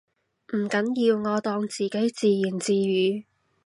唔緊要，我當自己自言自語